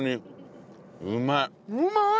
うまい！